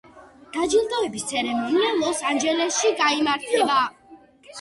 დაჯილდოების ცერემონია ლოს-ანჯელესში გაიმართება.